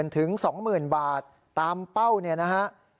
ถึง๒๐๐๐บาทตามเป้าเนี่ยนะฮะ